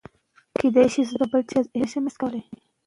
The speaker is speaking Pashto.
خپلو ماشومانو ته نیک اخلاق وښایاست.